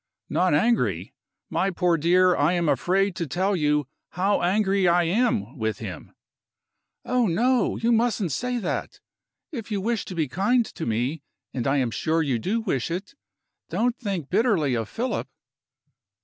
"Not angry! My poor dear, I am afraid to tell you how angry I am with him." "Oh, no! You mustn't say that. If you wish to be kind to me and I am sure you do wish it don't think bitterly of Philip."